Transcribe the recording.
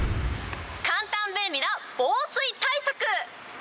簡単便利な防水対策。